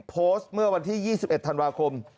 โพสต์เมื่อวันที่๒๑ธันวาคม